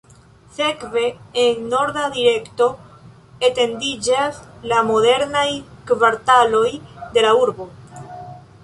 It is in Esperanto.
Sekve, en norda direkto, etendiĝas la modernaj kvartaloj de la urbo.